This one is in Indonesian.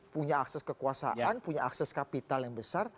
punya akses kekuasaan punya akses kapital yang besar